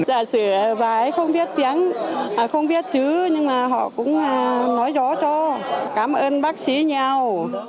giả sử vài không biết tiếng không biết chữ nhưng mà họ cũng nói rõ cho cảm ơn bác sĩ nhau